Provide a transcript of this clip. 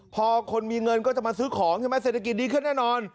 พอคนมีเงินก็จะมาซื้อของใช่ไหมเศรษฐกิจดีขึ้นแน่นอน